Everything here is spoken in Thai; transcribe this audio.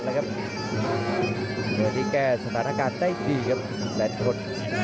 แล้วครับเผื่อที่แก้สถานการณ์ได้ดีครับแสดงคน